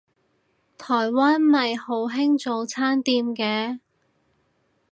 台灣咪好興早餐店嘅